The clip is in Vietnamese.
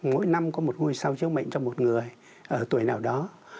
mỗi năm có một ngôi sao chếu mệnh cho một người ở tuổi nào đó